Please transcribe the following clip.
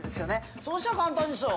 そうしたら簡単でしょ。